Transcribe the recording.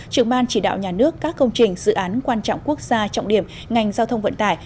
trưởng ban chỉ đạo nhà nước các công trình dự án quan trọng quốc gia trọng điểm ngành giao thông vận tải